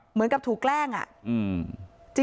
เหมือนกับถูกแกล้งอะ